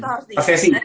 jadi itu harus diingat